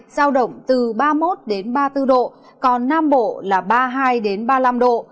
giao động từ ba mươi một ba mươi bốn độ còn nam bộ là ba mươi hai ba mươi năm độ